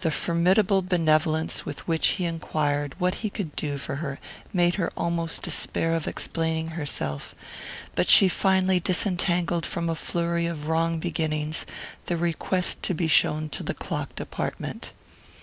The formidable benevolence with which he enquired what he could do for her made her almost despair of explaining herself; but she finally disentangled from a flurry of wrong beginnings the request to be shown to the clock department.